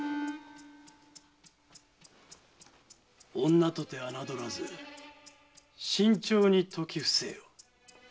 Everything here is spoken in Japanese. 女とて侮らず慎重に説き伏せよ。